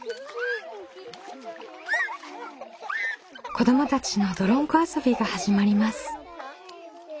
子どもたちの泥んこ遊びが始まります。